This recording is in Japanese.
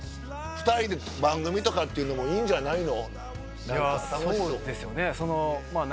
とかっていうのもいいんじゃないの？